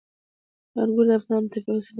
انګور د افغانانو د تفریح یوه وسیله ده.